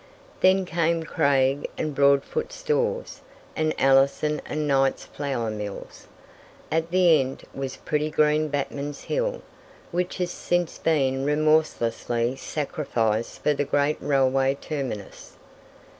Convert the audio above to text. Then came Craig and Broadfoot's stores, and Alison and Knight's flour mills. At the end was pretty green Batman's Hill, which has since been remorselessly sacrificed for the great railway terminus.